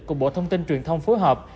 cùng bộ thông tin truyền thông phối hợp